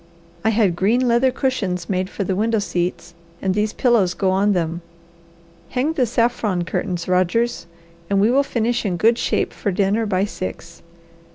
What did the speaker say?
I had green leather cushions made for the window seats, and these pillows go on them. Hang the saffron curtains, Rogers, and we will finish in good shape for dinner by six.